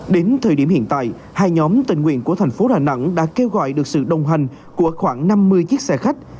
đến thời điểm hiện tại hai nhóm tình nguyện của thành phố đà nẵng đã kêu gọi được sự đồng hành của khoảng năm mươi chiếc xe khách